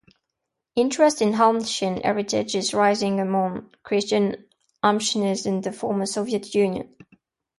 Interest in Hamshen heritage is rising among Christian Hamshenis in the former Soviet Union.